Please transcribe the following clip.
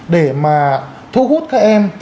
để mà thu hút các em